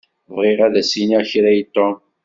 Bɣiɣ ad as-iniɣ kra i Tom.